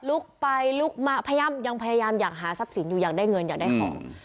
ลุกไปลุกมาพยายามยังพยายามอยากหาทรัพย์สินอยู่อยากได้เงินอยากได้ของ